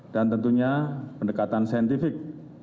dan tentunya pendekatan saintifik